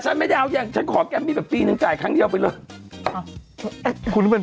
จริงใช่ไหม